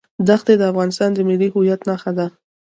دښتې د افغانستان د ملي هویت نښه ده.